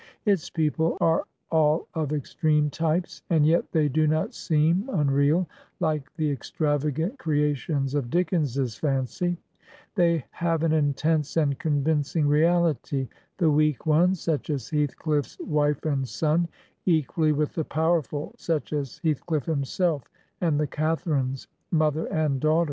Its people are all of extreme types, and yet they do not seem unreal, like the extravagant creations of Dickens's fancy; they have an intense and convincing reality, the weak ones, such as Heathcliff 's wife and son, equally with the powerful, such as Heath cliff himself and the Catharines, mother and daughter.